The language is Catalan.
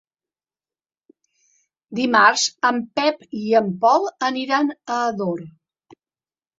Dimarts en Pep i en Pol aniran a Ador.